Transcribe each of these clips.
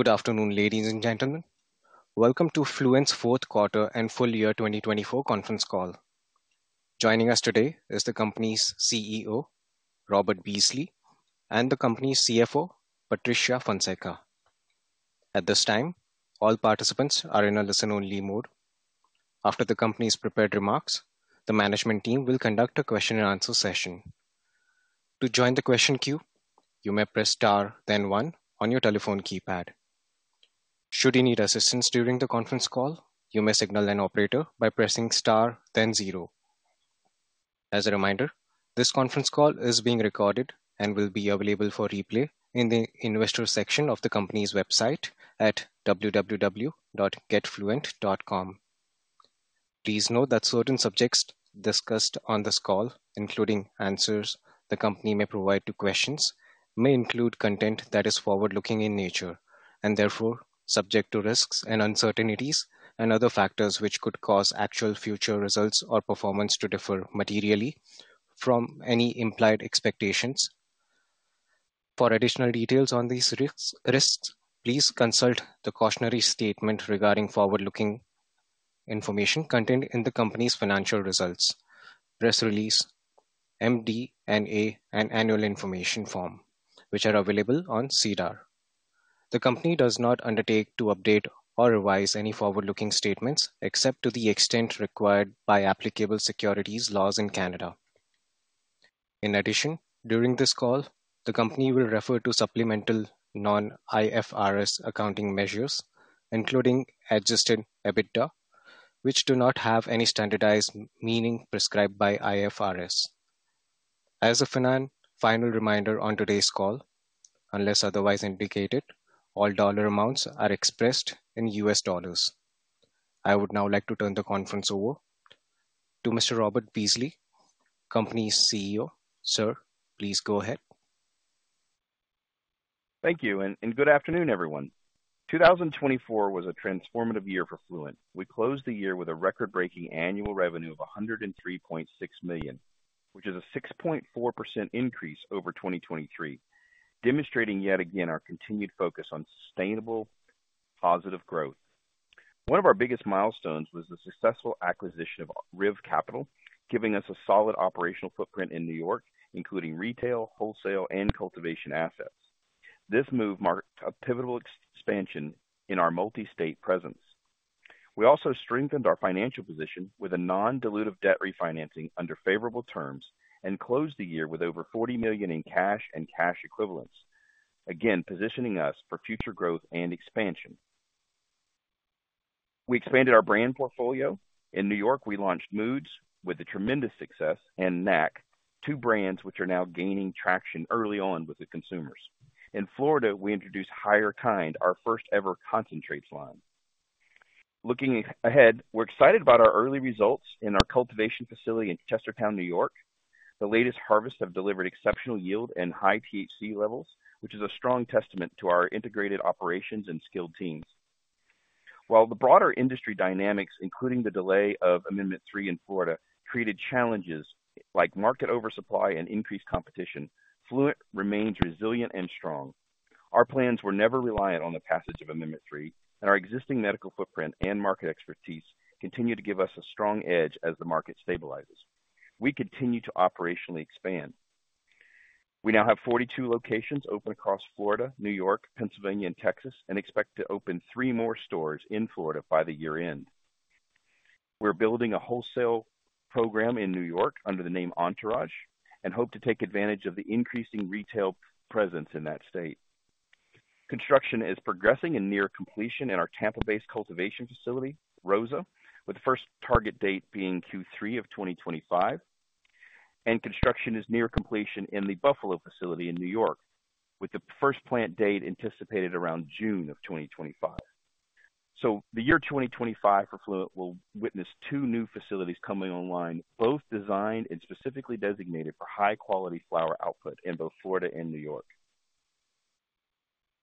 Good afternoon, ladies and gentlemen. Welcome to FlUENT's Fourth Quarter and Full Year 2024 Conference Call. Joining us today is the company's CEO, Robert Beasley, and the company's CFO, Patricia Fonseca. At this time, all participants are in a listen-only mode. After the company's prepared remarks, the management team will conduct a question-and-answer session. To join the question queue, you may press star, then one, on your telephone keypad. Should you need assistance during the conference call, you may signal an operator by pressing star, then zero. As a reminder, this conference call is being recorded and will be available for replay in the investor section of the company's website at www.getfluent.com. Please note that certain subjects discussed on this call, including answers the company may provide to questions, may include content that is forward-looking in nature and therefore subject to risks and uncertainties and other factors which could cause actual future results or performance to differ materially from any implied expectations. For additional details on these risks, please consult the cautionary statement regarding forward-looking information contained in the company's financial results, press release, MD&A, and annual information form, which are available on SEDAR. The company does not undertake to update or revise any forward-looking statements except to the extent required by applicable securities laws in Canada. In addition, during this call, the company will refer to supplemental non-IFRS accounting measures, including adjusted EBITDA, which do not have any standardized meaning prescribed by IFRS. As a final reminder on today's call, unless otherwise indicated, all dollar amounts are expressed in US dollars. I would now like to turn the conference over to Mr. Robert Beasley, company's CEO. Sir, please go ahead. Thank you, and good afternoon, everyone. 2024 was a transformative year for FLUENT. We closed the year with a record-breaking annual revenue of $103.6 million, which is a 6.4% increase over 2023, demonstrating yet again our continued focus on sustainable, positive growth. One of our biggest milestones was the successful acquisition of Riv Capital, giving us a solid operational footprint in New York, including retail, wholesale, and cultivation assets. This move marked a pivotal expansion in our multi-state presence. We also strengthened our financial position with a non-dilutive debt refinancing under favorable terms and closed the year with over $40 million in cash and cash equivalents, again positioning us for future growth and expansion. We expanded our brand portfolio. In New York, we launched Moods with tremendous success and NAC, two brands which are now gaining traction early on with the consumers. In Florida, we introduced Higher Kind, our first-ever concentrates line. Looking ahead, we're excited about our early results in our cultivation facility in Chestertown, New York. The latest harvests have delivered exceptional yield and high THC levels, which is a strong testament to our integrated operations and skilled teams. While the broader industry dynamics, including the delay of Amendment 3 in Florida, created challenges like market oversupply and increased competition, FLUENT remains resilient and strong. Our plans were never reliant on the passage of Amendment 3, and our existing medical footprint and market expertise continue to give us a strong edge as the market stabilizes. We continue to operationally expand. We now have 42 locations open across Florida, New York, Pennsylvania, and Texas, and expect to open three more stores in Florida by the year-end. We're building a wholesale program in New York under the name Entourage and hope to take advantage of the increasing retail presence in that state. Construction is progressing and near completion in our Tampa-based cultivation facility, Rosa, with the first target date being Q3 of 2025, and construction is near completion in the Buffalo facility in New York, with the first plant date anticipated around June of 2025. The year 2025 for FLUENT will witness two new facilities coming online, both designed and specifically designated for high-quality flower output in both Florida and New York.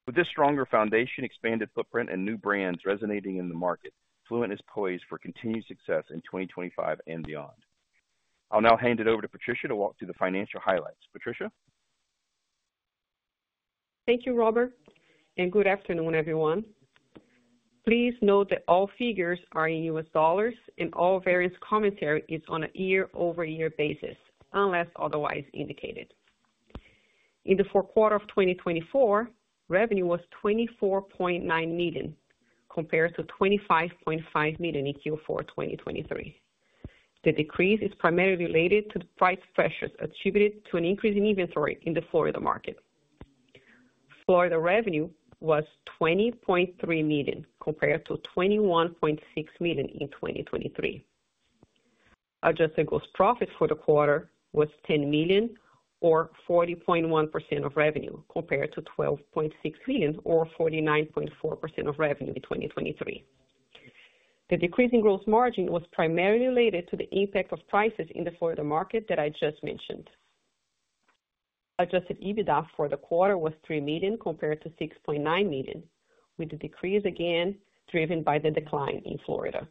With this stronger foundation, expanded footprint, and new brands resonating in the market, FLUENT is poised for continued success in 2025 and beyond. I'll now hand it over to Patricia to walk through the financial highlights. Patricia. Thank you, Robert, and good afternoon, everyone. Please note that all figures are in US dollars, and all various commentary is on a year-over-year basis, unless otherwise indicated. In the fourth quarter of 2024, revenue was $24.9 million compared to $25.5 million in Q4 2023. The decrease is primarily related to the price pressures attributed to an increase in inventory in the Florida market. Florida revenue was $20.3 million compared to $21.6 million in 2023. Adjusted gross profit for the quarter was $10 million, or 40.1% of revenue, compared to $12.6 million, or 49.4% of revenue in 2023. The decrease in gross margin was primarily related to the impact of prices in the Florida market that I just mentioned. Adjusted EBITDA for the quarter was $3 million compared to $6.9 million, with the decrease again driven by the decline in Florida.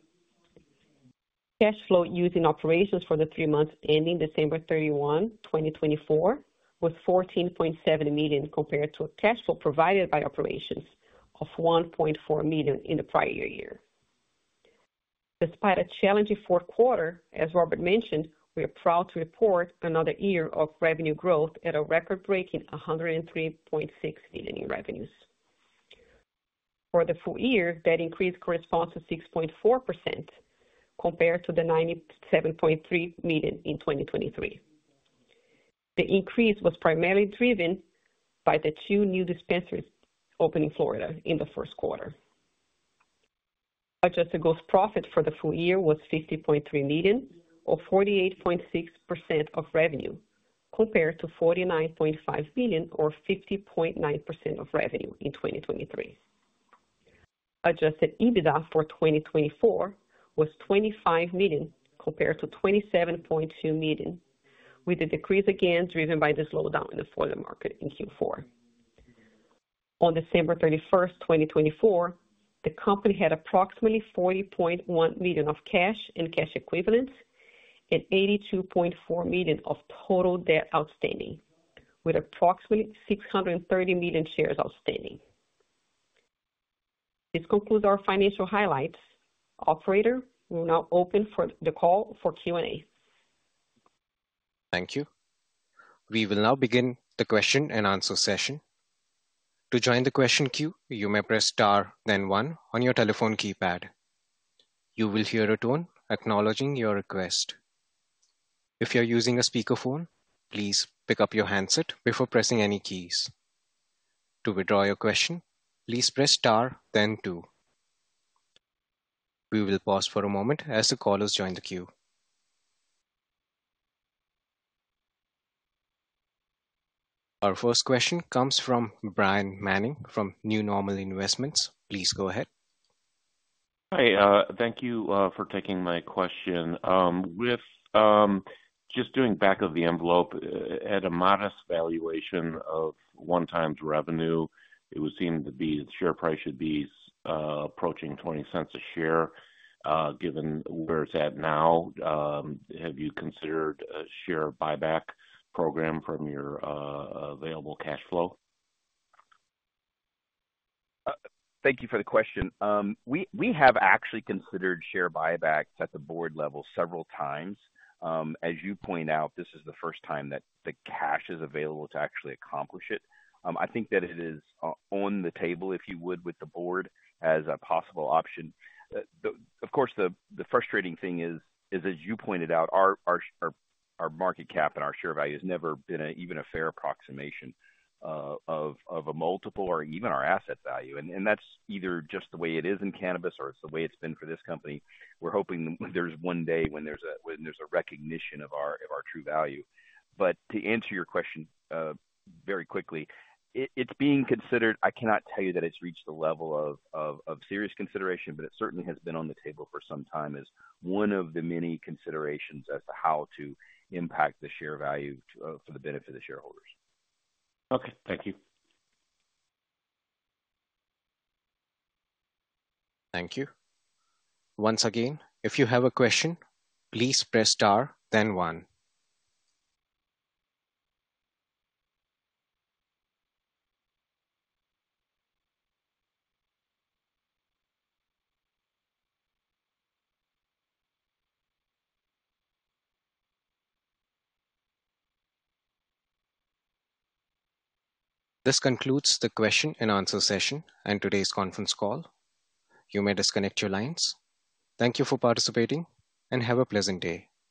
Cash flow using operations for the three months ending December 31, 2024, was $14.7 million compared to a cash flow provided by operations of $1.4 million in the prior year. Despite a challenging fourth quarter, as Robert mentioned, we are proud to report another year of revenue growth at a record-breaking $103.6 million in revenues. For the full year, that increase corresponds to 6.4% compared to the $97.3 million in 2023. The increase was primarily driven by the two new dispensaries opening in Florida in the first quarter. Adjusted gross profit for the full year was $50.3 million, or 48.6% of revenue, compared to $49.5 million, or 50.9% of revenue in 2023. Adjusted EBITDA for 2024 was $25 million compared to $27.2 million, with the decrease again driven by the slowdown in the Florida market in Q4. On December 31st, 2024, the company had approximately $40.1 million of cash and cash equivalents and $82.4 million of total debt outstanding, with approximately 630 million shares outstanding. This concludes our financial highlights. Operator will now open the call for Q&A. Thank you. We will now begin the question-and-answer session. To join the question queue, you may press star, then one, on your telephone keypad. You will hear a tone acknowledging your request. If you're using a speakerphone, please pick up your handset before pressing any keys. To withdraw your question, please press star, then two. We will pause for a moment as the callers join the queue. Our first question comes from Bryan Manning from New Normal Investments. Please go ahead. Hi. Thank you for taking my question. With just doing back of the envelope, at a modest valuation of one-time revenue, it would seem to be the share price should be approaching $0.20 a share given where it's at now. Have you considered a share buyback program from your available cash flow? Thank you for the question. We have actually considered share buybacks at the board level several times. As you point out, this is the first time that the cash is available to actually accomplish it. I think that it is on the table, if you would, with the board as a possible option. Of course, the frustrating thing is, as you pointed out, our market cap and our share value has never been even a fair approximation of a multiple or even our asset value. That is either just the way it is in cannabis or it is the way it has been for this company. We are hoping there is one day when there is a recognition of our true value. To answer your question very quickly, it is being considered. I cannot tell you that it's reached the level of serious consideration, but it certainly has been on the table for some time as one of the many considerations as to how to impact the share value for the benefit of the shareholders. Okay. Thank you. Thank you. Once again, if you have a question, please press star, then one. This concludes the question-and-answer session and today's conference call. You may disconnect your lines. Thank you for participating, and have a pleasant day.